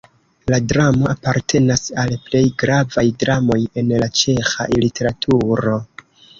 La dramo apartenas al plej gravaj dramoj en la ĉeĥa literaturo.